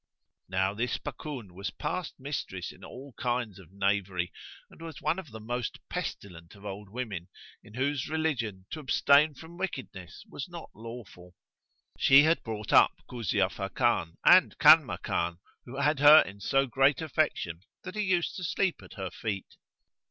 Now this Bakun was past mistress in all kinds of knavery and was one of the most pestilent of old women, in whose religion to abstain from wickedness was not lawful; she had brought up Kuzia Fakan and Kanmakan who had her in so great affection that he used to sleep at her feet.